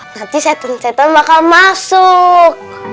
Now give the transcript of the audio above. nanti setan setan bakal masuk